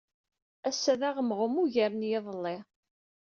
Ass-a d aɣemɣum ugar n yiḍelli.